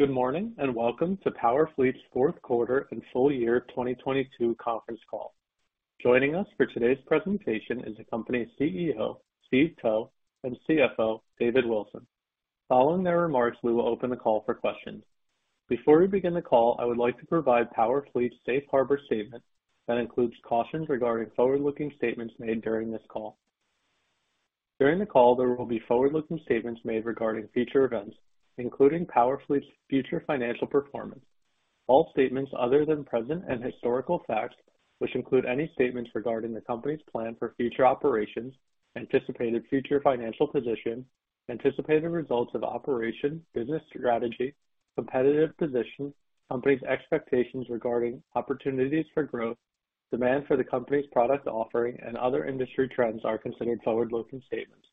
Good morning, and welcome to PowerFleet's 4th quarter and full year 2022 conference call. Joining us for today's presentation is the company's CEO, Steve Towe, and CFO, David Wilson. Following their remarks, we will open the call for questions. Before we begin the call, I would like to provide PowerFleet's safe harbor statement that includes cautions regarding forward-looking statements made during this call. During the call, there will be forward-looking statements made regarding future events, including PowerFleet's future financial performance. All statements other than present and historical facts, which include any statements regarding the company's plan for future operations, anticipated future financial position, anticipated results of operation, business strategy, competitive position, company's expectations regarding opportunities for growth, demand for the company's product offering, and other industry trends are considered forward-looking statements.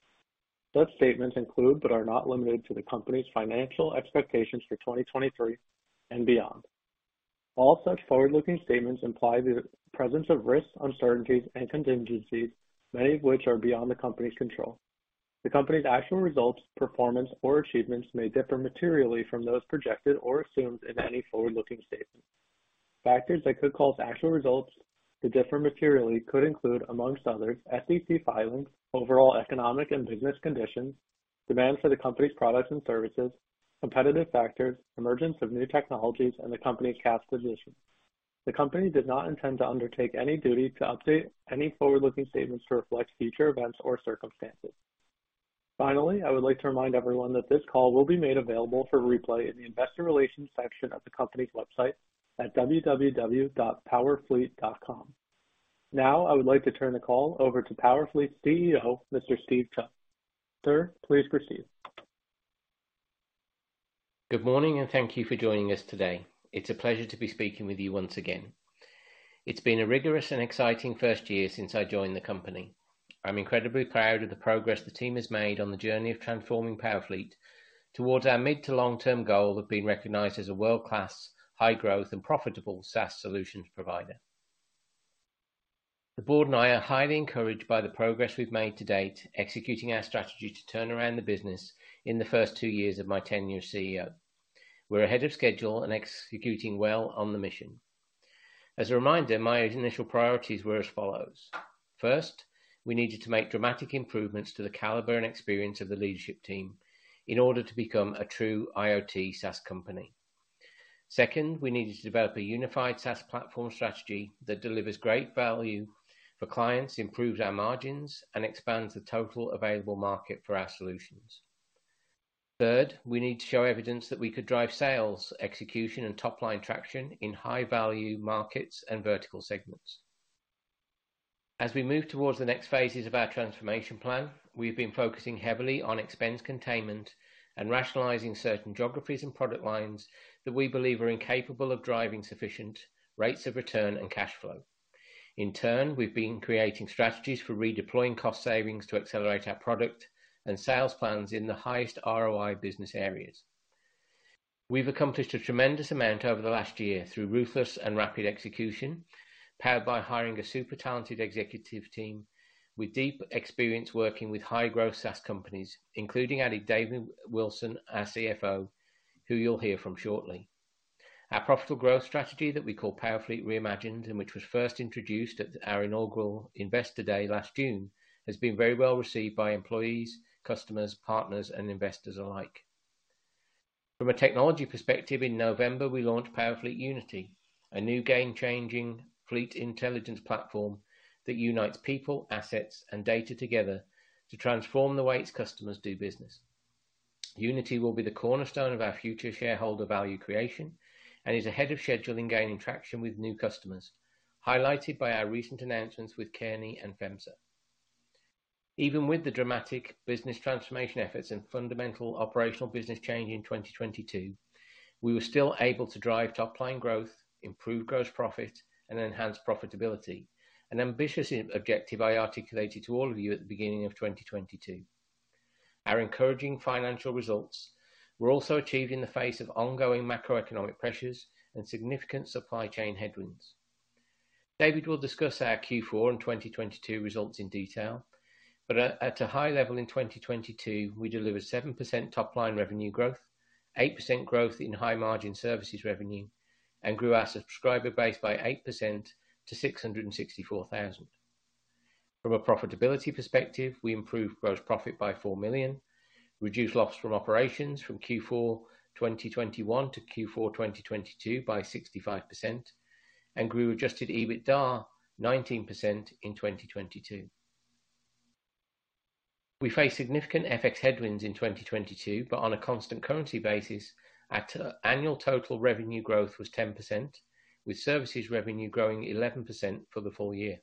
Such statements include, but are not limited to, the company's financial expectations for 2023 and beyond. All such forward-looking statements imply the presence of risks, uncertainties, and contingencies, many of which are beyond the company's control. The company's actual results, performance, or achievements may differ materially from those projected or assumed in any forward-looking statement. Factors that could cause actual results to differ materially could include, among others, SEC filings, overall economic and business conditions, demand for the company's products and services, competitive factors, emergence of new technologies, and the company's cash position. The company does not intend to undertake any duty to update any forward-looking statements to reflect future events or circumstances. Finally, I would like to remind everyone that this call will be made available for replay in the Investor Relations section of the company's website at www.powerfleet.com. Now, I would like to turn the call over to PowerFleet's CEO, Mr. Steve Towe. Sir, please proceed. Good morning, thank you for joining us today. It's a pleasure to be speaking with you once again. It's been a rigorous and exciting first year since I joined the company. I'm incredibly proud of the progress the team has made on the journey of transforming PowerFleet towards our mid to long-term goal of being recognized as a world-class, high-growth and profitable SaaS solutions provider. The board and I are highly encouraged by the progress we've made to date, executing our strategy to turn around the business in the first two years of my tenure as CEO. We're ahead of schedule and executing well on the mission. As a reminder, my initial priorities were as follows. First, we needed to make dramatic improvements to the caliber and experience of the leadership team in order to become a true IoT SaaS company. Second, we needed to develop a unified SaaS platform strategy that delivers great value for clients, improves our margins, and expands the total available market for our solutions. Third, we need to show evidence that we could drive sales, execution, and top-line traction in high-value markets and vertical segments. As we move towards the next phases of our transformation plan, we've been focusing heavily on expense containment and rationalizing certain geographies and product lines that we believe are incapable of driving sufficient rates of return and cash flow. In turn, we've been creating strategies for redeploying cost savings to accelerate our product and sales plans in the highest ROI business areas. We've accomplished a tremendous amount over the last year through ruthless and rapid execution, powered by hiring a super talented executive team with deep experience working with high-growth SaaS companies, including adding David Wilson, our CFO, who you'll hear from shortly. Our profitable growth strategy that we call PowerFleet Reimagined, and which was first introduced at our inaugural Investor Day last June, has been very well received by employees, customers, partners, and investors alike. From a technology perspective, in November, we launched PowerFleet Unity, a new game-changing fleet intelligence platform that unites people, assets, and data together to transform the way its customers do business. Unity will be the cornerstone of our future shareholder value creation and is ahead of schedule in gaining traction with new customers, highlighted by our recent announcements with Kearney and FEMSA. Even with the dramatic business transformation efforts and fundamental operational business change in 2022, we were still able to drive top-line growth, improve gross profit and enhance profitability, an ambitious objective I articulated to all of you at the beginning of 2022. Our encouraging financial results were also achieved in the face of ongoing macroeconomic pressures and significant supply chain headwinds. David will discuss our Q4 and 2022 results in detail, but at a high level in 2022, we delivered 7% top line revenue growth, 8% growth in high-margin services revenue, and grew our subscriber base by 8% to 664,000. From a profitability perspective, we improved gross profit by $4 million, reduced loss from operations from Q4 2021 to Q4 2022 by 65% and grew Adjusted EBITDA 19% in 2022. We faced significant FX headwinds in 2022, but on a constant currency basis, annual total revenue growth was 10%, with services revenue growing 11% for the full year.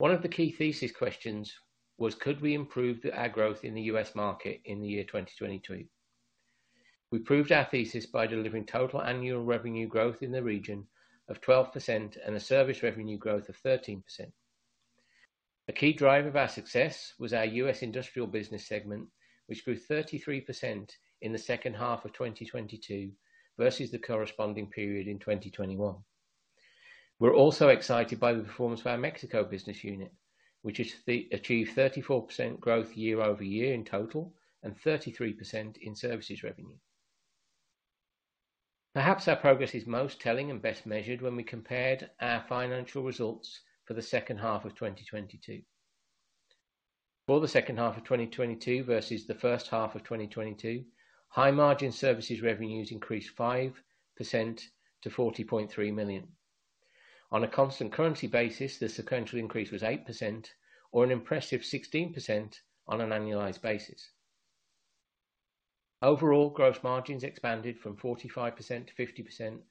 One of the key thesis questions was, could we improve our growth in the U.S. market in the year 2022? We proved our thesis by delivering total annual revenue growth in the region of 12% and a service revenue growth of 13%. A key driver of our success was our U.S. industrial business segment, which grew 33% in the second half of 2022 versus the corresponding period in 2021. We're also excited by the performance of our Mexico business unit, which has achieved 34% growth year-over-year in total, and 33% in services revenue. Perhaps our progress is most telling and best measured when we compared our financial results for the second half of 2022. For the second half of 2022 versus the first half of 2022, high-margin services revenues increased 5% to $40.3 million. On a constant currency basis, the sequential increase was 8% or an impressive 16% on an annualized basis. Overall, gross margins expanded from 45% to 50%,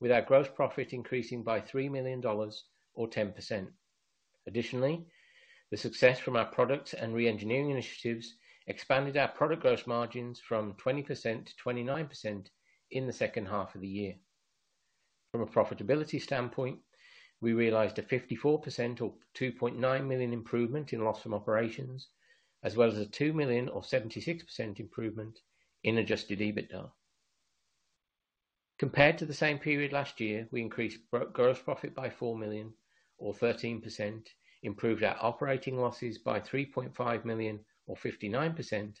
with our gross profit increasing by $3 million or 10%. Additionally, the success from our products and re-engineering initiatives expanded our product gross margins from 20% to 29% in the second half of the year. From a profitability standpoint, we realized a 54% or $2.9 million improvement in loss from operations, as well as a $2 million or 76% improvement in Adjusted EBITDA. Compared to the same period last year, we increased gross profit by $4 million or 13%, improved our operating losses by $3.5 million or 59%,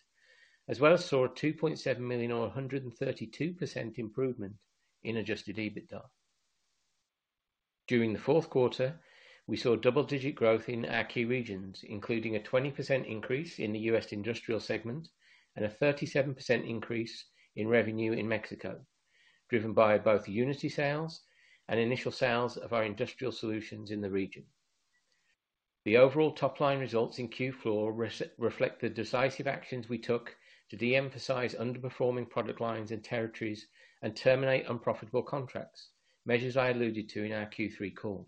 as well as saw a $2.7 million or 132% improvement in Adjusted EBITDA. During the fourth quarter, we saw double-digit growth in our key regions, including a 20% increase in the U.S. industrial segment and a 37% increase in revenue in Mexico, driven by both Unity sales and initial sales of our industrial solutions in the region. The overall top-line results in Q4 reflect the decisive actions we took to de-emphasize underperforming product lines and territories and terminate unprofitable contracts, measures I alluded to in our Q3 call.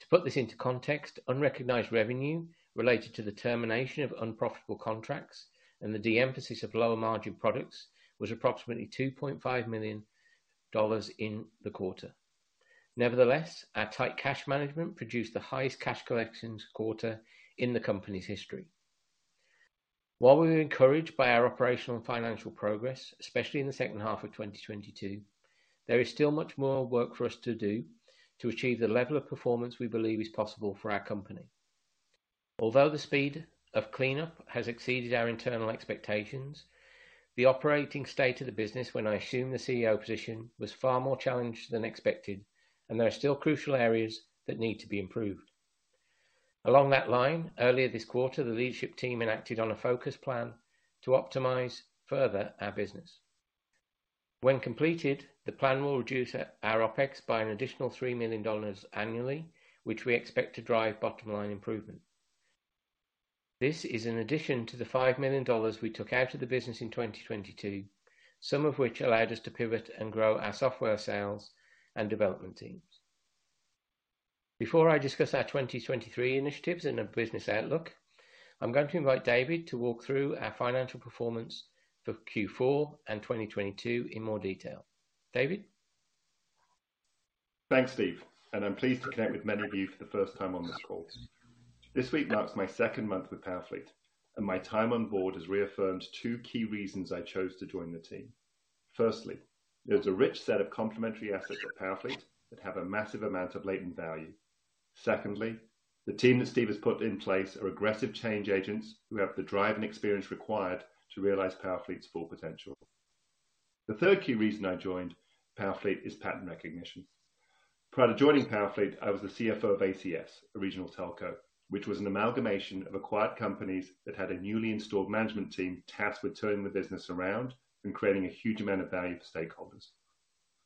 To put this into context, unrecognized revenue related to the termination of unprofitable contracts and the de-emphasis of lower margin products was approximately $2.5 million in the quarter. Nevertheless, our tight cash management produced the highest cash collections quarter in the company's history. While we were encouraged by our operational and financial progress, especially in the second half of 2022, there is still much more work for us to do to achieve the level of performance we believe is possible for our company. Although the speed of cleanup has exceeded our internal expectations, the operating state of the business when I assumed the CEO position was far more challenged than expected, and there are still crucial areas that need to be improved. Along that line, earlier this quarter, the leadership team enacted on a focus plan to optimize further our business. When completed, the plan will reduce our OpEx by an additional $3 million annually, which we expect to drive bottom-line improvement. This is in addition to the $5 million we took out of the business in 2022, some of which allowed us to pivot and grow our software sales and development teams. Before I discuss our 2023 initiatives and the business outlook, I'm going to invite David to walk through our financial performance for Q4 and 2022 in more detail. David? Thanks, Steve, and I'm pleased to connect with many of you for the first time on this call. This week marks my second month with PowerFleet, and my time on board has reaffirmed two key reasons I chose to join the team. Firstly, there was a rich set of complementary assets at PowerFleet that have a massive amount of latent value. Secondly, the team that Steve has put in place are aggressive change agents who have the drive and experience required to realize PowerFleet's full potential. The third key reason I joined PowerFleet is pattern recognition. Prior to joining PowerFleet, I was the CFO of ACS, a regional telco, which was an amalgamation of acquired companies that had a newly installed management team tasked with turning the business around and creating a huge amount of value for stakeholders.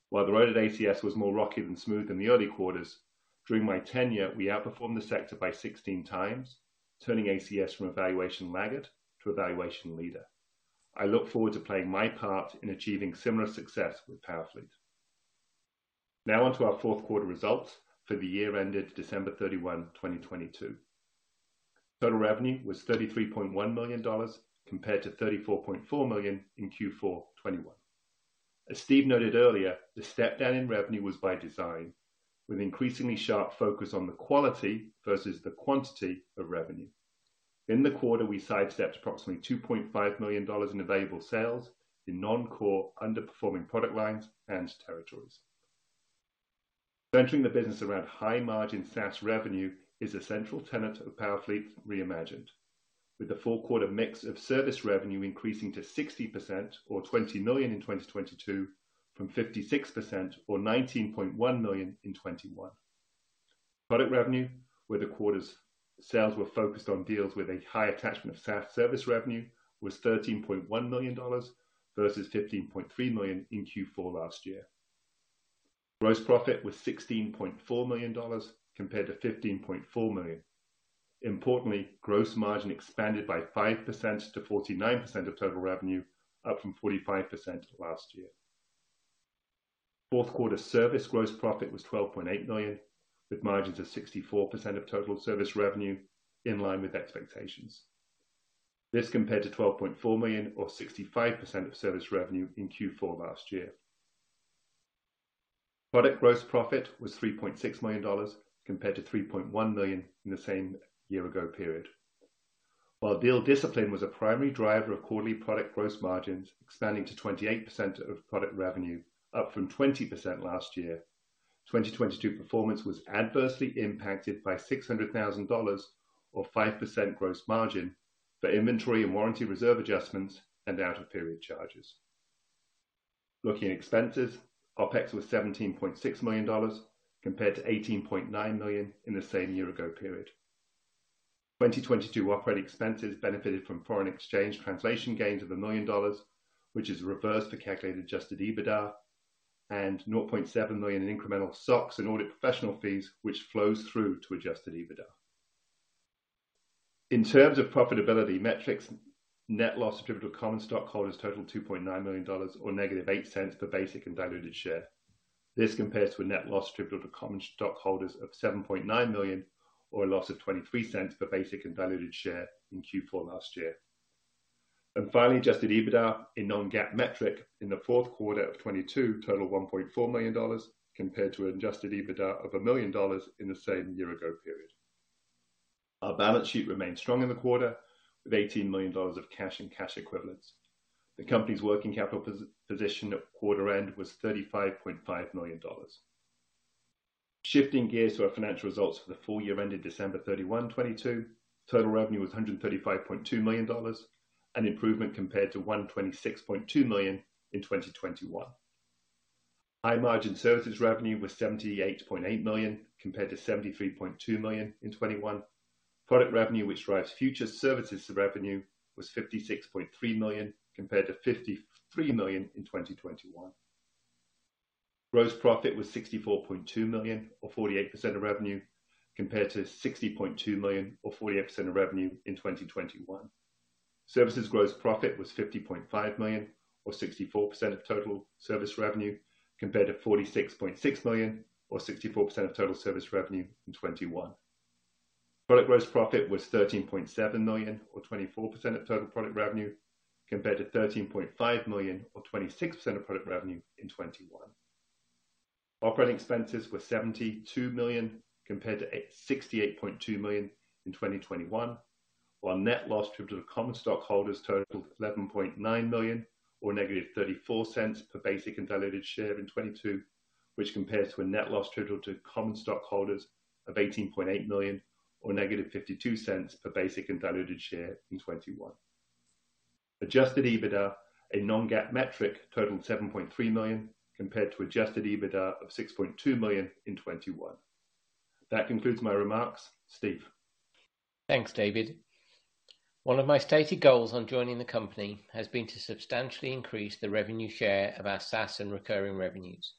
While the road at ACS was more rocky than smooth in the early quarters, during my tenure, we outperformed the sector by 16 times, turning ACS from a valuation laggard to a valuation leader. I look forward to playing my part in achieving similar success with PowerFleet. Now on to our fourth quarter results for the year ended December 31, 2022. Total revenue was $33.1 million compared to $34.4 million in Q4 2021. As Steve noted earlier, the step down in revenue was by design, with increasingly sharp focus on the quality versus the quantity of revenue. In the quarter, we sidestepped approximately $2.5 million in available sales in non-core underperforming product lines and territories. Centering the business around high-margin SaaS revenue is a central tenet of PowerFleet Reimagined. With the full quarter mix of service revenue increasing to 60% or $20 million in 2022 from 56% or $19.1 million in 2021. Product revenue, where the quarter's sales were focused on deals with a high attachment of SaaS service revenue, was $13.1 million versus $15.3 million in Q4 last year. Gross profit was $16.4 million compared to $15.4 million. Importantly, gross margin expanded by 5%-49% of total revenue, up from 45% last year. Fourth quarter service gross profit was $12.8 million, with margins of 64% of total service revenue in line with expectations. This compared to $12.4 million or 65% of service revenue in Q4 last year. Product gross profit was $3.6 million compared to $3.1 million in the same year-ago period. Deal discipline was a primary driver of quarterly product gross margins expanding to 28% of product revenue, up from 20% last year. 2022 performance was adversely impacted by $600,000 or 5% gross margin for inventory and warranty reserve adjustments and out-of-period charges. Looking at expenses, OpEx was $17.6 million compared to $18.9 million in the same year-ago period. 2022 operating expenses benefited from foreign exchange translation gains of $1 million, which is reversed to calculate Adjusted EBITDA and $0.7 million in incremental SOX and audit professional fees, which flows through to Adjusted EBITDA. In terms of profitability metrics, net loss attributable to common stockholders totaled $2.9 million or -$0.08 per basic and diluted share. This compares to a net loss attributable to common stockholders of $7.9 million or a loss of $0.23 per basic and diluted share in Q4 last year. Finally, Adjusted EBITDA, a non-GAAP metric in the fourth quarter of 2022 totaled $1.4 million compared to Adjusted EBITDA of $1 million in the same year-ago period. Our balance sheet remained strong in the quarter with $18 million of cash and cash equivalents. The company's working capital position at quarter end was $35.5 million. Shifting gears to our financial results for the full year ended December 31, 2022. Total revenue was $135.2 million, an improvement compared to $126.2 million in 2021. High-margin services revenue was $78.8 million compared to $73.2 million in 2021. Product revenue, which drives future services revenue, was $56.3 million compared to $53 million in 2021. Gross profit was $64.2 million or 48% of revenue, compared to $60.2 million or 48% of revenue in 2021. Services gross profit was $50.5 million or 64% of total service revenue, compared to $46.6 million or 64% of total service revenue in 2021. Product gross profit was $13.7 million or 24% of total product revenue, compared to $13.5 million or 26% of product revenue in 2021. Operating expenses were $72 million compared to $68.2 million in 2021. Net loss attributable to common stockholders totaled $11.9 million or -$0.34 per basic and diluted share in 2022, which compares to a net loss attributable to common stockholders of $18.8 million or -$0.52 per basic and diluted share in 2021. Adjusted EBITDA a non-GAAP metric totaled $7.3 million compared to Adjusted EBITDA of $6.2 million in 2021. That concludes my remarks. Steve. Thanks, David. One of my stated goals on joining the company has been to substantially increase the revenue share of our SaaS and recurring revenues,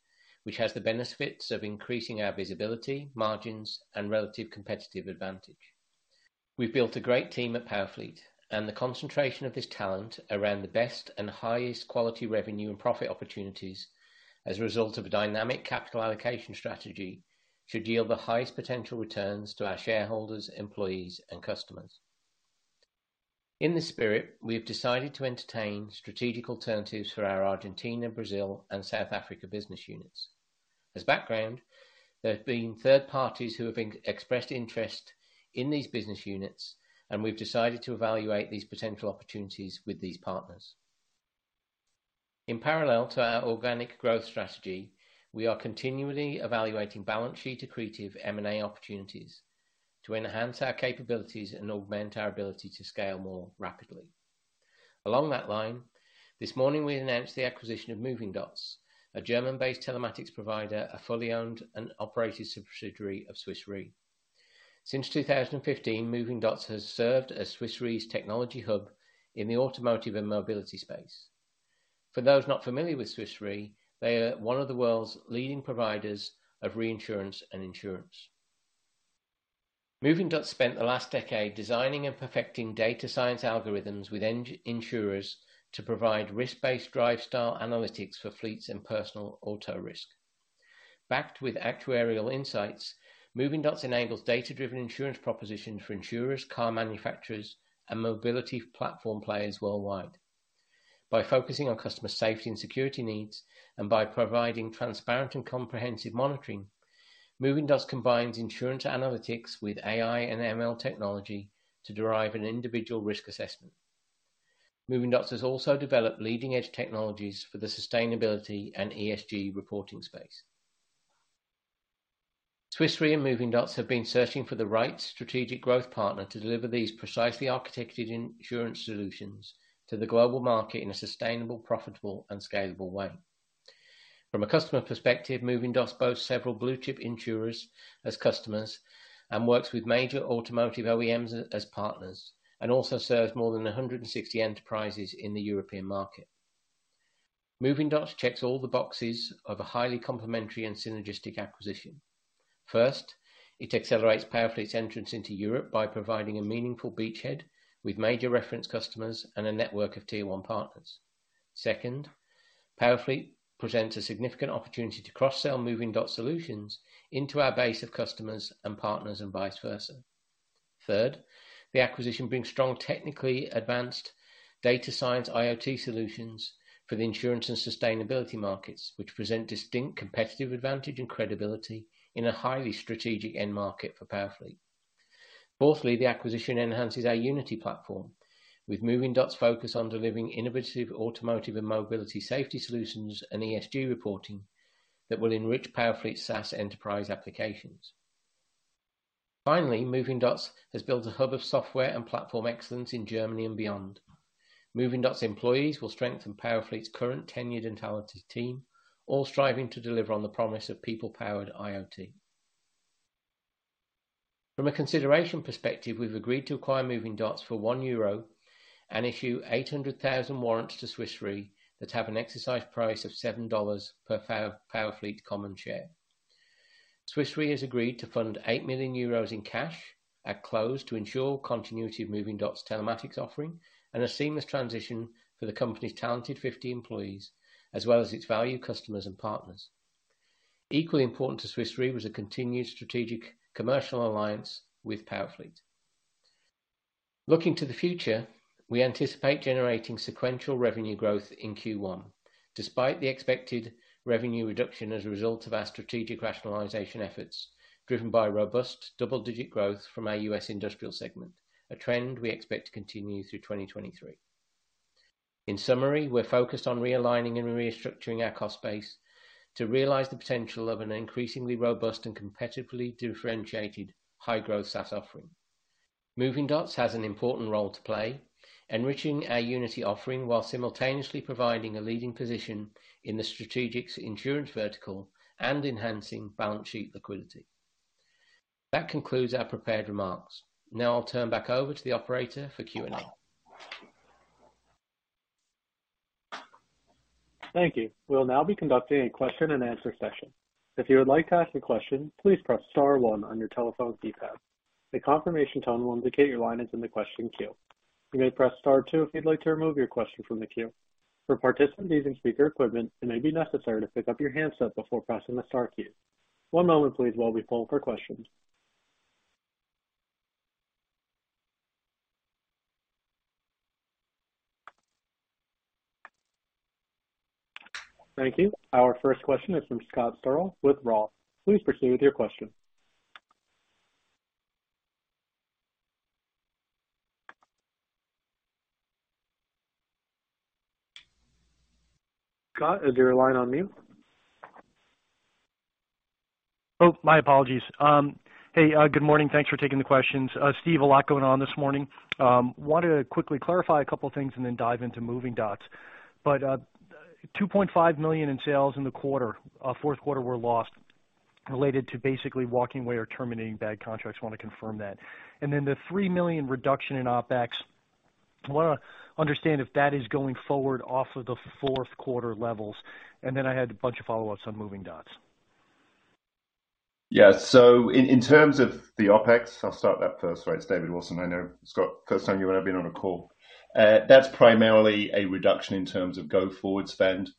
which has the benefits of increasing our visibility, margins, and relative competitive advantage. We've built a great team at PowerFleet and the concentration of this talent around the best and highest quality revenue and profit opportunities as a result of a dynamic capital allocation strategy should yield the highest potential returns to our shareholders, employees, and customers. In this spirit, we have decided to entertain strategic alternatives for our Argentina, Brazil and South Africa business units. As background, there have been third parties who have expressed interest in these business units, and we've decided to evaluate these potential opportunities with these partners. In parallel to our organic growth strategy, we are continually evaluating balance sheet accretive M&A opportunities to enhance our capabilities and augment our ability to scale more rapidly. Along that line, this morning we announced the acquisition of Movingdots, a German-based telematics provider, a fully owned and operated subsidiary of Swiss Re. Since 2015, Movingdots has served as Swiss Re's technology hub in the automotive and mobility space. For those not familiar with Swiss Re, they are one of the world's leading providers of reinsurance and insurance. Movingdots spent the last decade designing and perfecting data science algorithms with insurers to provide risk-based drive style analytics for fleets and personal auto risk. Backed with actuarial insights, Movingdots enables data-driven insurance propositions for insurers, car manufacturers and mobility platform players worldwide. By focusing on customer safety and security needs and by providing transparent and comprehensive monitoring, Movingdots combines insurance analytics with AI and ML technology to derive an individual risk assessment. Movingdots has also developed leading edge technologies for the sustainability and ESG reporting space. Swiss Re and Movingdots have been searching for the right strategic growth partner to deliver these precisely architected insurance solutions to the global market in a sustainable, profitable and scalable way. From a customer perspective, Movingdots boasts several blue-chip insurers as customers and works with major automotive OEMs as partners, and also serves more than 160 enterprises in the European market. Movingdots checks all the boxes of a highly complementary and synergistic acquisition. First, it accelerates PowerFleet's entrance into Europe by providing a meaningful beachhead with major reference customers and a network of Tier 1 partners. Second, PowerFleet presents a significant opportunity to cross-sell Movingdots solutions into our base of customers and partners and vice versa. Third, the acquisition brings strong technically advanced data science IoT solutions for the insurance and sustainability markets, which present distinct competitive advantage and credibility in a highly strategic end market for PowerFleet. Fourthly, the acquisition enhances our Unity platform with Movingdots focus on delivering innovative automotive and mobility safety solutions and ESG reporting that will enrich PowerFleet SaaS enterprise applications. Finally, Movingdots has built a hub of software and platform excellence in Germany and beyond. Movingdots employees will strengthen PowerFleet's current tenured and talented team, all striving to deliver on the promise of people powered IoT. From a consideration perspective, we've agreed to acquire Movingdots for 1 euro and issue 800,000 warrants to Swiss Re that have an exercise price of $7 per PowerFleet common share. Swiss Re has agreed to fund 8 million euros in cash at close to ensure continuity of Movingdots telematics offering and a seamless transition for the company's talented 50 employees as well as its value customers and partners. Equally important to Swiss Re was a continued strategic commercial alliance with PowerFleet. Looking to the future, we anticipate generating sequential revenue growth in Q1 despite the expected revenue reduction as a result of our strategic rationalization efforts driven by robust double-digit growth from our U.S. industrial segment, a trend we expect to continue through 2023. In summary, we're focused on realigning and restructuring our cost base to realize the potential of an increasingly robust and competitively differentiated high-growth SaaS offering. Movingdots has an important role to play, enriching our Unity offering while simultaneously providing a leading position in the strategic insurance vertical and enhancing balance sheet liquidity. That concludes our prepared remarks. Now I'll turn back over to the operator for Q&A. Thank you. We'll now be conducting a question-and-answer session. If you would like to ask a question, please press star one on your telephone keypad. A confirmation tone will indicate your line is in the question queue. You may press star two if you'd like to remove your question from the queue. For participants using speaker equipment, it may be necessary to pick up your handset before pressing the star key. One moment please while we poll for questions. Thank you. Our first question is from Scott Searle with Roth. Please proceed with your question. Scott, is your line on mute? Oh, my apologies. Hey, good morning. Thanks for taking the questions. Steve, a lot going on this morning. Wanted to quickly clarify a couple of things and then dive into Movingdots. $2.5 million in sales in the quarter, fourth quarter were lost related to basically walking away or terminating bad contracts. Want to confirm that. The $3 million reduction in OpEx. Wanna understand if that is going forward off of the fourth quarter levels. I had a bunch of follow-ups on Movingdots. In terms of the OpEx, I'll start that first. Right. It's David Wilson. I know, Scott, first time you and I have been on a call. That's primarily a reduction in terms of go forward spend.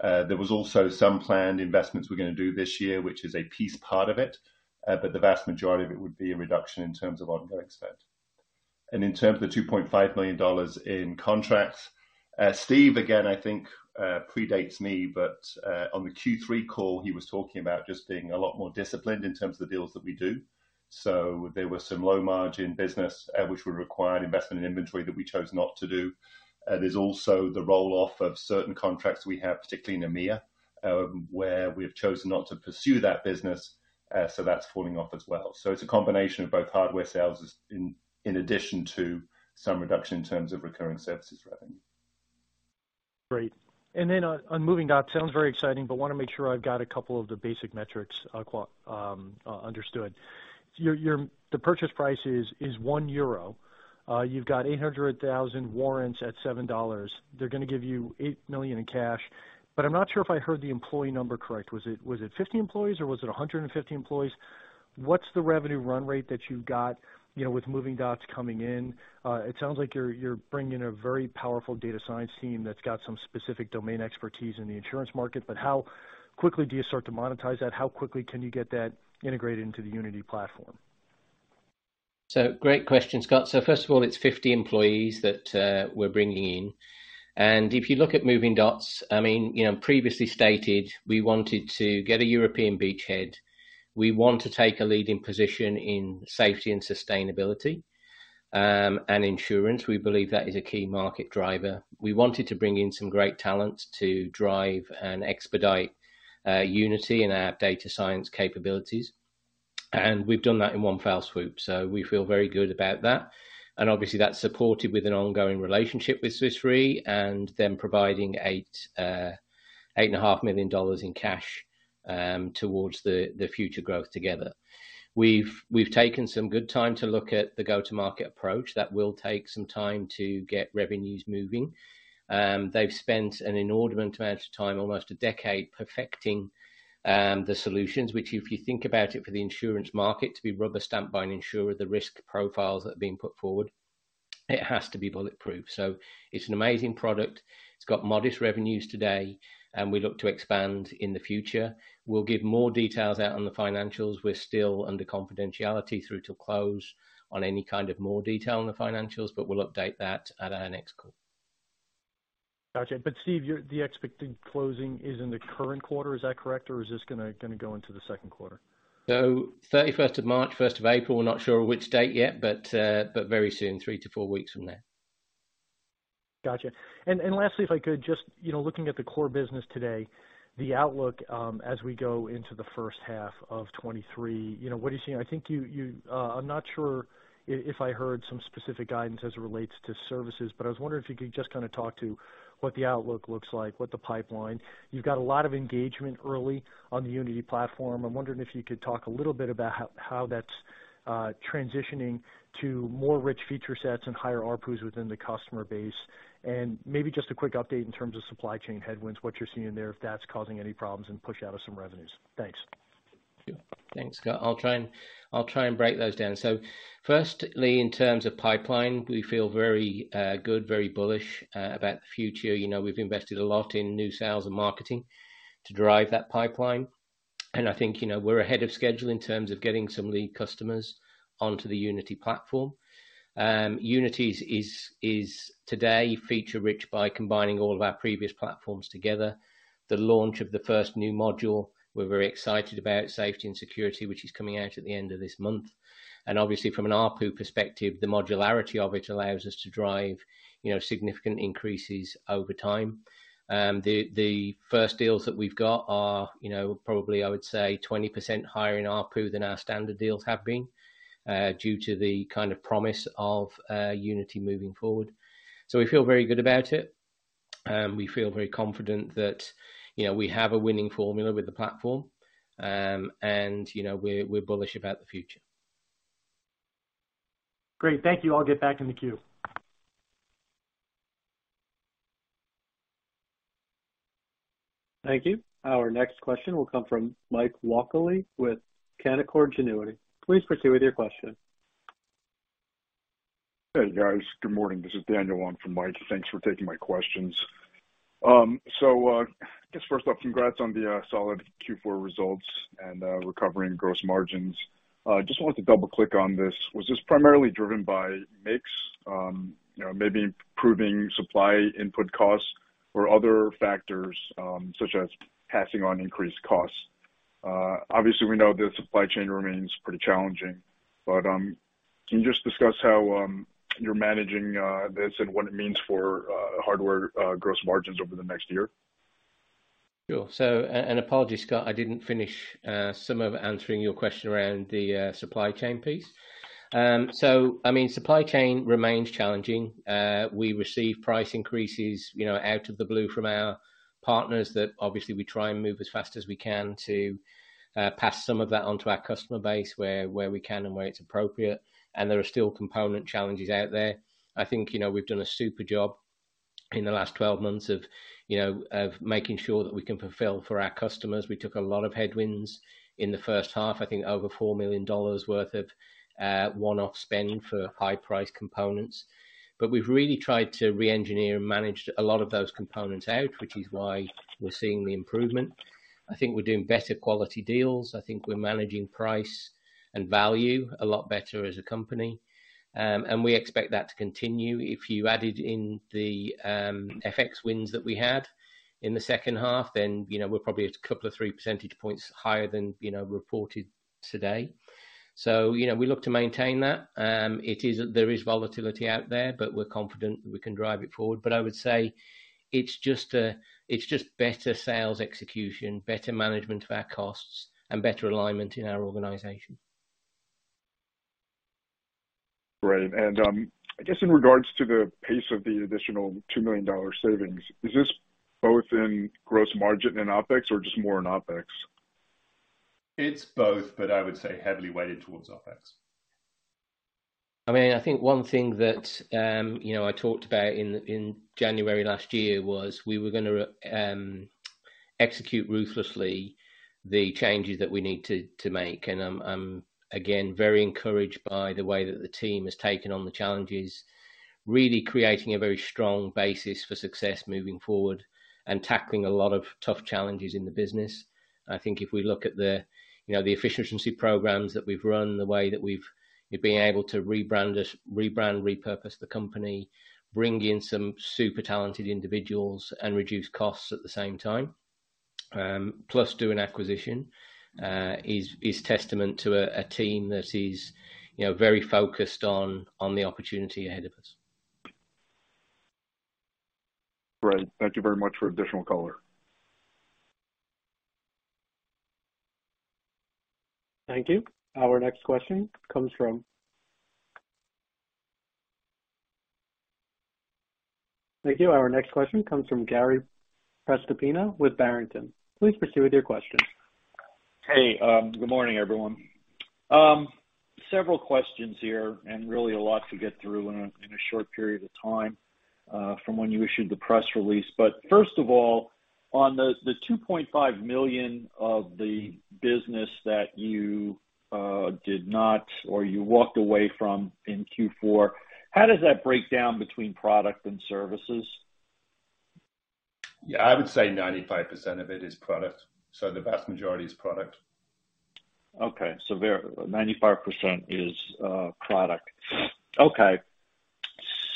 There was also some planned investments we're gonna do this year, which is a piece part of it, but the vast majority of it would be a reduction in terms of ongoing spend. In terms of the $2.5 million in contracts, Steve, again, I think predates me, but on the Q3 call, he was talking about just being a lot more disciplined in terms of the deals that we do. There were some low margin business, which would require an investment in inventory that we chose not to do. There's also the roll off of certain contracts we have, particularly in EMEA, where we have chosen not to pursue that business. That's falling off as well. It's a combination of both hardware sales in addition to some reduction in terms of recurring services revenue. Great. Then on Movingdots, sounds very exciting, but wanna make sure I've got a couple of the basic metrics understood. The purchase price is 1 euro. You've got 800,000 warrants at $7. They're gonna give you $8 million in cash. I'm not sure if I heard the employee number correct. Was it 50 employees or was it 150 employees? What's the revenue run rate that you've got, you know, with Movingdots coming in? It sounds like you're bringing a very powerful data science team that's got some specific domain expertise in the insurance market. How quickly do you start to monetize that? How quickly can you get that integrated into the Unity platform? Great question, Scott. First of all, it's 50 employees that we're bringing in. If you look at Movingdots, I mean, you know, previously stated, we wanted to get a European beachhead. We want to take a leading position in safety and sustainability, and insurance. We believe that is a key market driver. We wanted to bring in some great talent to drive and expedite Unity and our data science capabilities, and we've done that in one fell swoop. We feel very good about that. Obviously that's supported with an ongoing relationship with Swiss Re and them providing eight and a half million dollars in cash towards the future growth together. We've taken some good time to look at the go-to-market approach. That will take some time to get revenues moving. They've spent an inordinate amount of time, almost a decade, perfecting the solutions, which if you think about it, for the insurance market to be rubber-stamped by an insurer, the risk profiles that are being put forward, it has to be bulletproof. It's an amazing product. It's got modest revenues today, and we look to expand in the future. We'll give more details out on the financials. We're still under confidentiality through to close on any kind of more detail on the financials, but we'll update that at our next call. Gotcha. Steve, the expected closing is in the current quarter, is that correct? Is this gonna go into the second quarter? thirty-first of March, first of April, we're not sure which date yet, but very soon, three to four weeks from now. Gotcha. Lastly, if I could just, you know, looking at the core business today, the outlook, as we go into the first half of 2023, you know, what are you seeing? I think I'm not sure if I heard some specific guidance as it relates to services, but I was wondering if you could just kind of talk to what the outlook looks like, what the pipeline? You've got a lot of engagement early on the Unity platform. I'm wondering if you could talk a little bit about how that's transitioning to more rich feature sets and higher ARPU within the customer base. Maybe just a quick update in terms of supply chain headwinds, what you're seeing there, if that's causing any problems and push out of some revenues. Thanks. Sure. Thanks, Scott. I'll try and break those down. Firstly, in terms of pipeline, we feel very good, very bullish about the future. You know, we've invested a lot in new sales and marketing to drive that pipeline. I think, you know, we're ahead of schedule in terms of getting some lead customers onto the Unity platform. Unity is today feature rich by combining all of our previous platforms together. The launch of the first new module, we're very excited about safety and security, which is coming out at the end of this month. Obviously, from an ARPU perspective, the modularity of it allows us to drive, you know, significant increases over time. The first deals that we've got are, you know, probably, I would say, 20% higher in ARPU than our standard deals have been, due to the kind of promise of Unity moving forward. We feel very good about it. We feel very confident that, you know, we have a winning formula with the platform. We're bullish about the future. Great. Thank you. I'll get back in the queue. Thank you. Our next question will come from Mike Walkley with Canaccord Genuity. Please proceed with your question. Hey, guys. Good morning. This is Daniel on for Mike. Thanks for taking my questions. I guess first up, congrats on the solid Q4 results and recovering gross margins. Just wanted to double-click on this. Was this primarily driven by mix? You know, maybe improving supply input costs or other factors, such as passing on increased costs? Obviously, we know the supply chain remains pretty challenging, but can you just discuss how you're managing this and what it means for hardware gross margins over the next year? Sure. Apologies, Scott, I didn't finish some of answering your question around the supply chain piece. I mean, supply chain remains challenging. We receive price increases, you know, out of the blue from our partners that obviously we try and move as fast as we can to pass some of that on to our customer base where we can and where it's appropriate. There are still component challenges out there. I think, you know, we've done a super job in the last 12 months of, you know, of making sure that we can fulfill for our customers. We took a lot of headwinds in the first half. I think over $4 million worth of one-off spend for high price components. We've really tried to re-engineer and manage a lot of those components out, which is why we're seeing the improvement. I think we're doing better quality deals. I think we're managing price and value a lot better as a company. We expect that to continue. If you added in the FX wins that we had in the second half, then, you know, we're probably 2-3 percentage points higher than, you know, reported today. You know, we look to maintain that. It is there is volatility out there, but we're confident that we can drive it forward. I would say it's just better sales execution, better management of our costs, and better alignment in our organization. Great. I guess in regards to the pace of the additional $2 million savings, is this both in gross margin and OpEx or just more in OpEx? It's both, but I would say heavily weighted towards OPEX. I mean, I think one thing that, you know, I talked about in January last year was we were gonna execute ruthlessly the changes that we need to make. I'm again, very encouraged by the way that the team has taken on the challenges, really creating a very strong basis for success moving forward and tackling a lot of tough challenges in the business. If we look at the, you know, the efficiency programs that we've run, the way that we've been able to rebrand, repurpose the company, bring in some super talented individuals and reduce costs at the same time, plus do an acquisition, is testament to a team that is, you know, very focused on the opportunity ahead of us. Great. Thank you very much for additional color. Thank you. Our next question comes from Gary Prestopino with Barrington. Please proceed with your question. Hey, good morning, everyone. Several questions here, and really a lot to get through in a short period of time, from when you issued the press release. First of all, on the $2.5 million of the business that you did not or you walked away from in Q4, how does that break down between product and services? I would say 95% of it is product, so the vast majority is product. Okay, there 95% is product. Okay.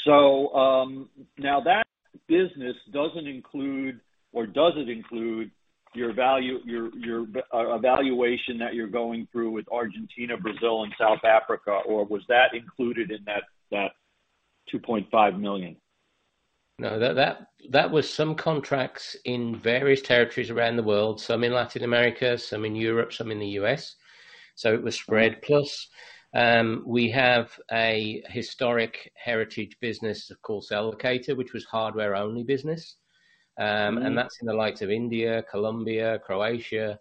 Now that business doesn't include or does it include your evaluation that you're going through with Argentina, Brazil, and South Africa, or was that included in that $2.5 million? No, that was some contracts in various territories around the world, some in Latin America, some in Europe, some in the U.S. It was spread. Plus, we have a historic heritage business, of course, Cellocator, which was hardware-only business. Mm-hmm. That's in the likes of India, Colombia, Croatia.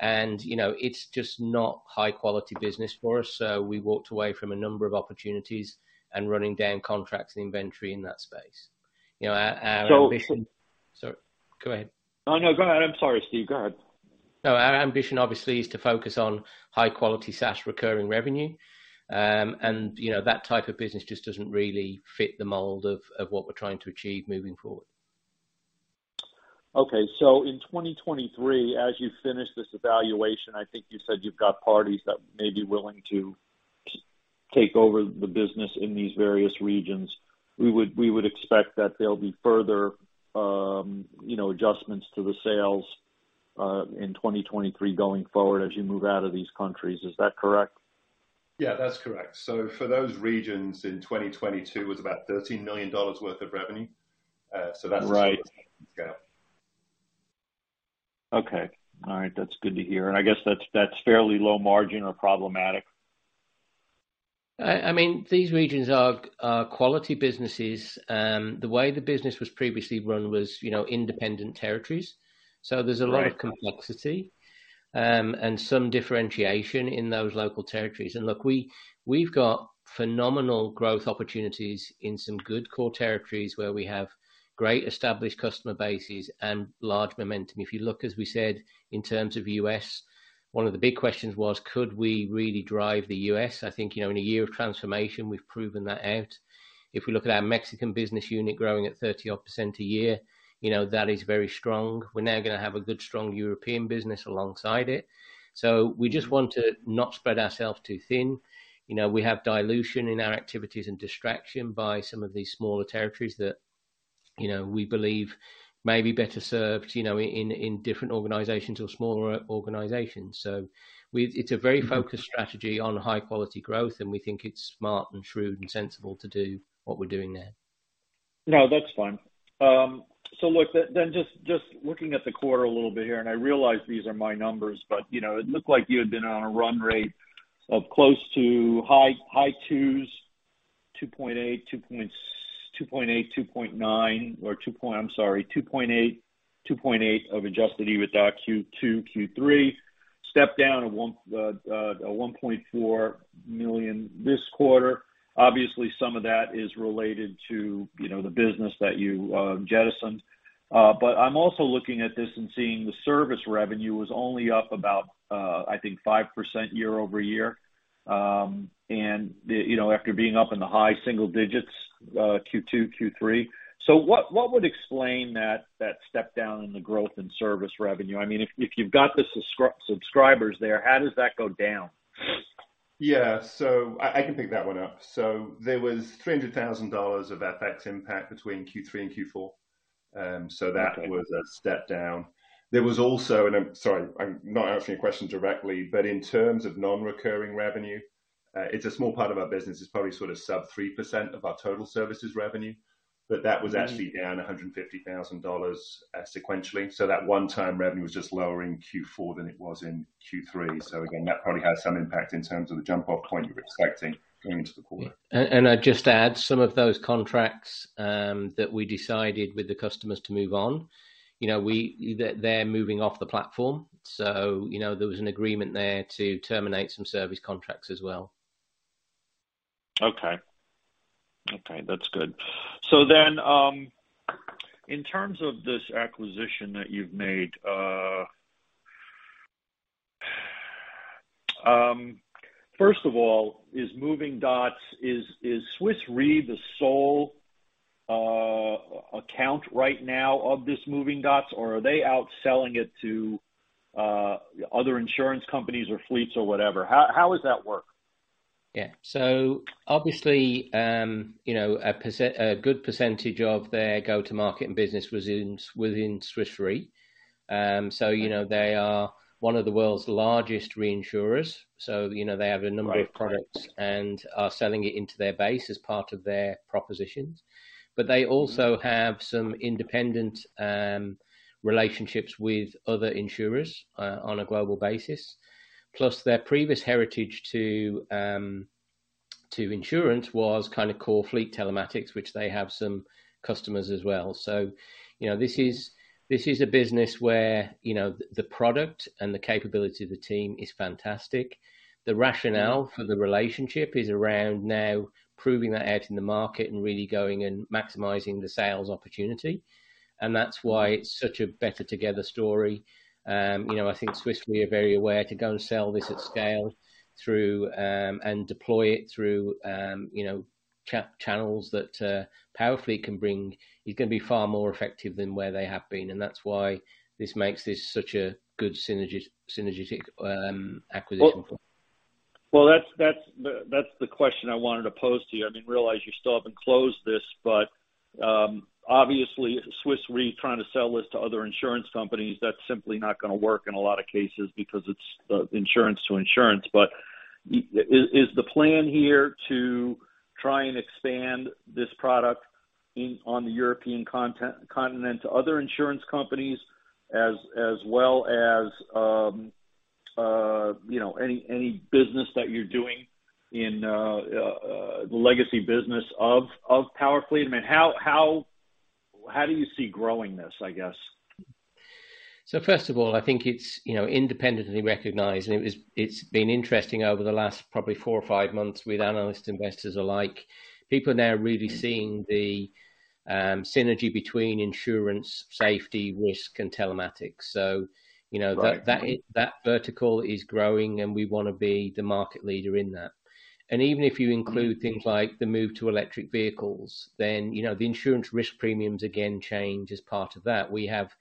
You know, it's just not high-quality business for us, so we walked away from a number of opportunities and running down contracts and inventory in that space. You know, our ambition. So- Sorry, go ahead. Oh, no, go ahead. I'm sorry, Steve. Go ahead. No, our ambition, obviously, is to focus on high-quality SaaS recurring revenue. You know, that type of business just doesn't really fit the mold of what we're trying to achieve moving forward. In 2023, as you finish this evaluation, I think you said you've got parties that may be willing to take over the business in these various regions. We would expect that there'll be further, you know, adjustments to the sales in 2023 going forward as you move out of these countries. Is that correct? Yeah, that's correct. For those regions in 2022, it was about $13 million worth of revenue. Right. Yeah. Okay. All right. That's good to hear. I guess that's fairly low margin or problematic. I mean, these regions are quality businesses. The way the business was previously run was, you know, independent territories. Right. There's a lot of complexity, and some differentiation in those local territories. Look, we've got phenomenal growth opportunities in some good core territories where we have great established customer bases and large momentum. If you look, as we said, in terms of U.S., one of the big questions was, could we really drive the U.S.? I think, you know, in a year of transformation, we've proven that out. If we look at our Mexican business unit growing at 30% odd a year, you know, that is very strong. We're now gonna have a good, strong European business alongside it. We just want to not spread ourselves too thin. You know, we have dilution in our activities and distraction by some of these smaller territories that, you know, we believe may be better served, you know, in different organizations or smaller organizations. It's a very focused strategy on high-quality growth, and we think it's smart and shrewd and sensible to do what we're doing there. No, that's fine. Look, just looking at the quarter a little bit here, I realize these are my numbers, but, you know, it looked like you had been on a run rate of close to high, high twos, 2.8, 2.8 of Adjusted EBITDA Q2, Q3, step down of $1.4 million this quarter. Obviously, some of that is related to, you know, the business that you jettisoned. I'm also looking at this and seeing the service revenue was only up about, I think 5% year-over-year, you know, after being up in the high single digits, Q2, Q3. What would explain that step down in the growth in service revenue? I mean, if you've got the subscribers there, how does that go down? Yeah. I can pick that one up. There was $300,000 of FX impact between Q3 and Q4. Okay. Was a step down. There was also, sorry, I'm not answering your question directly, but in terms of non-recurring revenue, it's a small part of our business. It's probably sort of sub-3% of our total services revenue. That was actually down $150,000 sequentially. That one-time revenue was just lower in Q4 than it was in Q3. Again, that probably had some impact in terms of the jump-off point you're expecting going into the quarter. I'd just add some of those contracts that we decided with the customers to move on. You know, they're moving off the platform. You know, there was an agreement there to terminate some service contracts as well. Okay. Okay, that's good. In terms of this acquisition that you've made, first of all, is Movingdots... Is Swiss Re the sole account right now of this Movingdots, or are they out selling it to other insurance companies or fleets or whatever? How, how does that work? Yeah. Obviously, you know, a good percentage of their go-to-market and business was in Swiss Re. You know, they are one of the world's largest reinsurers. You know, they have a number of products and are selling it into their base as part of their propositions. They also have some independent relationships with other insurers on a global basis, plus their previous heritage to insurance was kind of core fleet telematics, which they have some customers as well. You know, this is, this is a business where, you know, the product and the capability of the team is fantastic. The rationale for the relationship is around now proving that out in the market and really going and maximizing the sales opportunity. That's why it's such a better together story. You know, I think Swiss Re are very aware to go and sell this at scale through and deploy it through, you know, channels that PowerFleet can bring is gonna be far more effective than where they have been. That's why this makes this such a good synergistic acquisition for... Well, that's the question I wanted to pose to you. I mean, realize you still haven't closed this, but obviously Swiss Re trying to sell this to other insurance companies, that's simply not going to work in a lot of cases because it's insurance to insurance. Is the plan here to try and expand this product on the European continent to other insurance companies as well as, you know, any business that you're doing in the legacy business of PowerFleet? I mean, how do you see growing this, I guess? First of all, I think it's, you know, independently recognized, and it's been interesting over the last probably four or five months with analyst investors alike. People now are really seeing the synergy between insurance, safety, risk, and telematics. You know. That vertical is growing, and we wanna be the market leader in that. Even if you include things like the move to electric vehicles, then, you know, the insurance risk premiums again change as part of that. We have,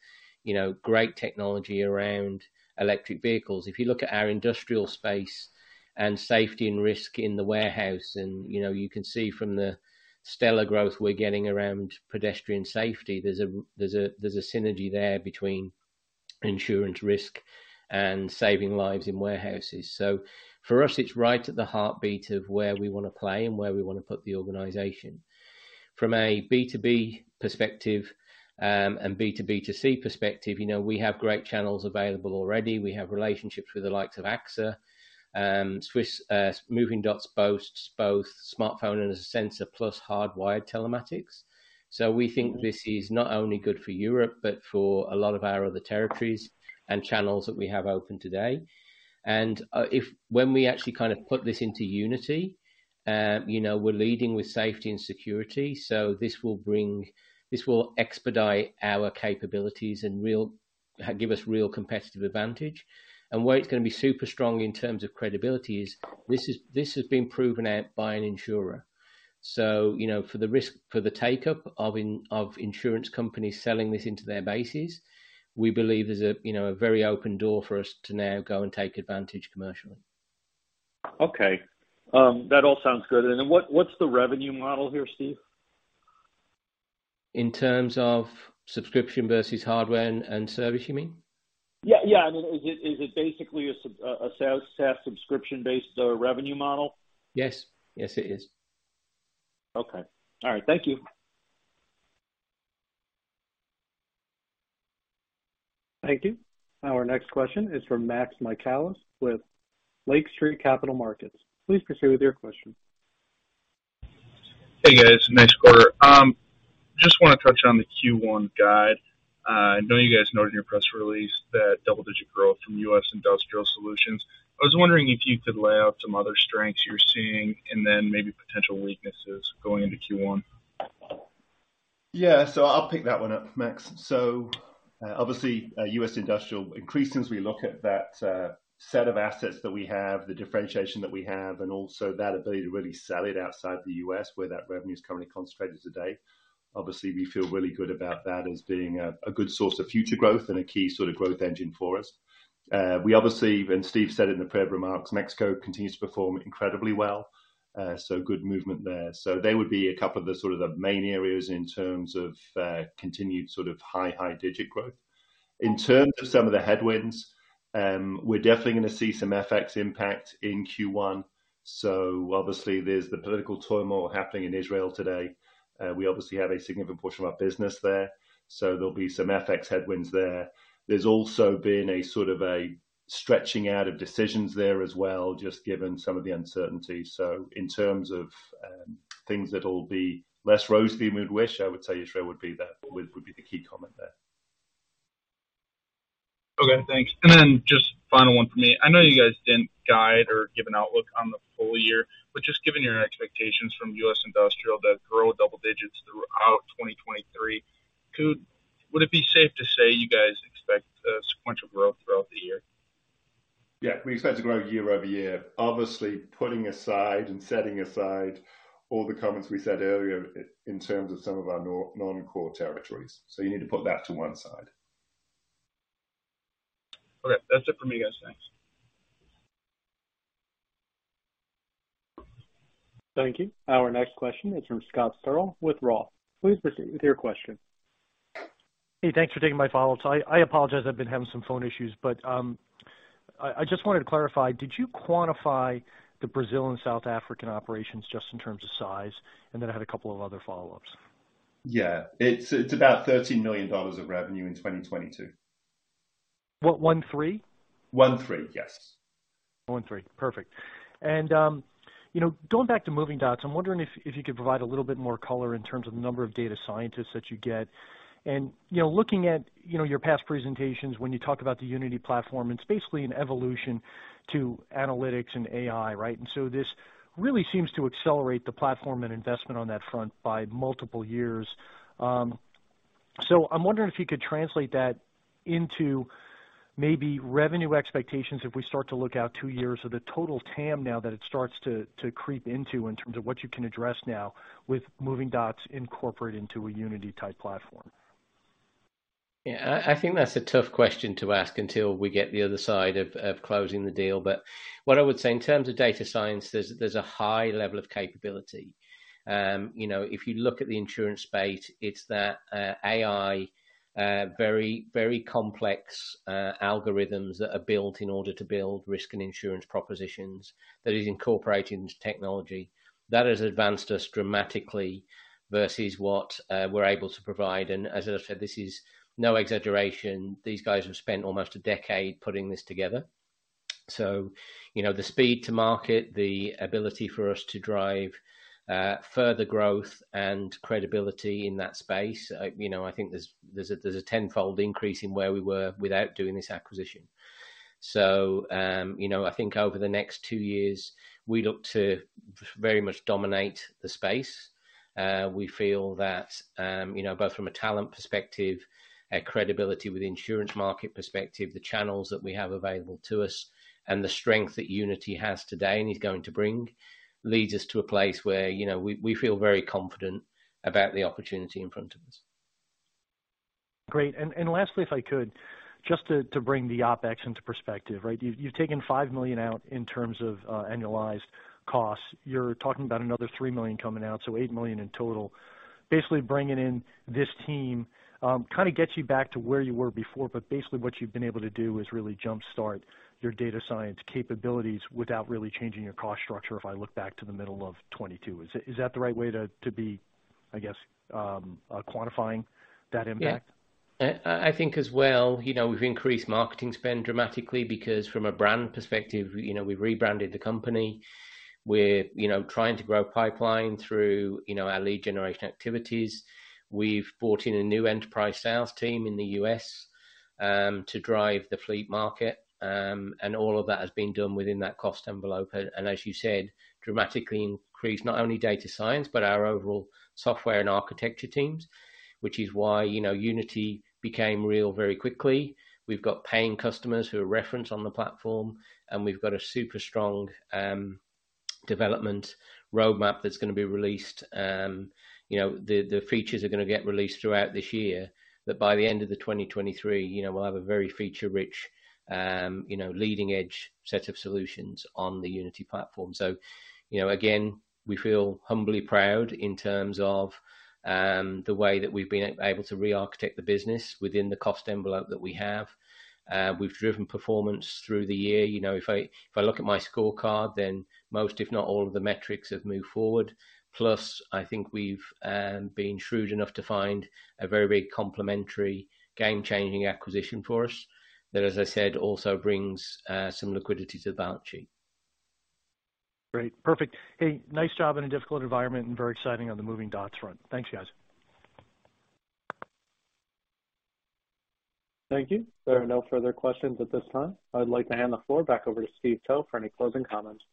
you know, great technology around electric vehicles. If you look at our industrial space and safety and risk in the warehouse and, you know, you can see from the stellar growth we're getting around pedestrian safety, there's a synergy there between insurance risk and saving lives in warehouses. For us, it's right at the heartbeat of where we wanna play and where we wanna put the organization. From a B2B perspective, and B2B2C perspective, you know, we have great channels available already. We have relationships with the likes of AXA. Swiss, Movingdots boasts both smartphone and a sensor plus hardwired telematics. We think this is not only good for Europe, but for a lot of our other territories and channels that we have open today. If when we actually kind of put this into Unity, you know, we're leading with safety and security, so this will expedite our capabilities and give us real competitive advantage. Where it's gonna be super strong in terms of credibility is this has been proven out by an insurer. You know, for the risk for the take-up of insurance companies selling this into their bases, we believe there's a, you know, a very open door for us to now go and take advantage commercially. Okay. that all sounds good. Then what's the revenue model here, Steve? In terms of subscription versus hardware and service, you mean? Yeah, yeah. I mean, is it basically a SaaS subscription-based revenue model? Yes. Yes, it is. Okay. All right. Thank you. Thank you. Our next question is from Max Michaelis with Lake Street Capital Markets. Please proceed with your question. Hey, guys. Nice quarter. Just wanna touch on the Q1 guide. I know you guys noted in your press release that double-digit growth from US Industrial Solutions. I was wondering if you could lay out some other strengths you're seeing and then maybe potential weaknesses going into Q1. Yeah. I'll pick that one up, Max. Obviously, US Industrial increased since we look at that set of assets that we have, the differentiation that we have, and also that ability to really sell it outside the U.S. where that revenue is currently concentrated today. Obviously, we feel really good about that as being a good source of future growth and a key sort of growth engine for us. We obviously, when Steve said in the prepared remarks, Mexico continues to perform incredibly well. Good movement there. They would be a couple of the sort of the main areas in terms of continued sort of high digit growth. In terms of some of the headwinds, we're definitely gonna see some FX impact in Q1. Obviously there's the political turmoil happening in Israel today. We obviously have a significant portion of our business there, so there'll be some FX headwinds there. There's also been a sort of a stretching out of decisions there as well, just given some of the uncertainty. In terms of things that'll be less rosy than we'd wish, I would tell you Israel would be that would be the key comment there. Okay, thanks. Just final one for me. I know you guys didn't guide or give an outlook on the full year, just given your expectations from US Industrial to grow double digits throughout 2023, would it be safe to say you guys expect sequential growth throughout the year? Yeah, we expect to grow year-over-year. Obviously, putting aside and setting aside all the comments we said earlier in terms of some of our non-core territories. You need to put that to one side. Okay. That's it for me, guys. Thanks. Thank you. Our next question is from Scott Searle with Roth. Please proceed with your question. Hey, thanks for taking my follow-up. I apologize, I've been having some phone issues. I just wanted to clarify, did you quantify the Brazil and South African operations just in terms of size? I had a couple of other follow-ups. Yeah. It's about $13 million of revenue in 2022. What, 13? 13. Yes. 13. Perfect. You know, going back to Movingdots, I'm wondering if you could provide a little bit more color in terms of the number of data scientists that you get. You know, looking at, you know, your past presentations, when you talk about the Unity platform, it's basically an evolution to analytics and AI, right? This really seems to accelerate the platform and investment on that front by multiple years. I'm wondering if you could translate that into maybe revenue expectations if we start to look out two years of the total TAM now that it starts to creep into in terms of what you can address now with Movingdots incorporated into a Unity type platform. Yeah, I think that's a tough question to ask until we get the other side of closing the deal. What I would say in terms of data science, there's a high level of capability. You know, if you look at the insurance space, it's that AI, very, very complex algorithms that are built in order to build risk and insurance propositions that is incorporating this technology that has advanced us dramatically versus what we're able to provide. As I said, this is no exaggeration. These guys have spent almost a decade putting this together. You know, the speed to market, the ability for us to drive further growth and credibility in that space, you know, I think there's a, there's a 10-fold increase in where we were without doing this acquisition. You know, I think over the next two years, we look to very much dominate the space. We feel that, you know, both from a talent perspective, a credibility with insurance market perspective, the channels that we have available to us and the strength that Unity has today and is going to bring, leads us to a place where, you know, we feel very confident about the opportunity in front of us. Great. Lastly, if I could, just to bring the OpEx into perspective, right? You've, you've taken $5 million out in terms of annualized costs. You're talking about another $3 million coming out, so $8 million in total. Basically bringing in this team, kinda gets you back to where you were before. Basically what you've been able to do is really jumpstart your data science capabilities without really changing your cost structure if I look back to the middle of 2022. Is that the right way to be, I guess, quantifying that impact? Yeah. I think as well, you know, we've increased marketing spend dramatically because from a brand perspective, you know, we rebranded the company. We're, you know, trying to grow pipeline through, you know, our lead generation activities. We've brought in a new enterprise sales team in the U.S. to drive the fleet market. All of that has been done within that cost envelope. As you said, dramatically increased not only data science, but our overall software and architecture teams, which is why, you know, Unity became real very quickly. We've got paying customers who are referenced on the platform, and we've got a super strong development roadmap that's gonna be released. You know, the features are gonna get released throughout this year. By the end of the 2023, you know, we'll have a very feature-rich, you know, leading edge set of solutions on the Unity platform. You know, again, we feel humbly proud in terms of the way that we've been able to re-architect the business within the cost envelope that we have. We've driven performance through the year. You know, if I look at my scorecard, then most, if not all, of the metrics have moved forward. I think we've been shrewd enough to find a very big complementary game-changing acquisition for us that, as I said, also brings some liquidity to the balance sheet. Great. Perfect. Hey, nice job in a difficult environment and very exciting on the Movingdots front. Thanks, guys. Thank you. There are no further questions at this time. I'd like to hand the floor back over to Steve Towe for any closing comments.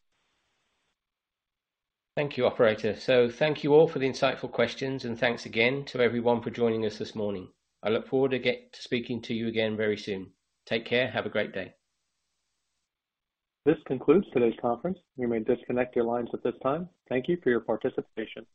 Thank you, operator. Thank you all for the insightful questions, and thanks again to everyone for joining us this morning. I look forward to speaking to you again very soon. Take care. Have a great day. This concludes today's conference. You may disconnect your lines at this time. Thank you for your participation.